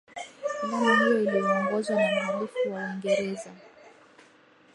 filamu hiyo iliyoongozwa na mhalifu wa uingereza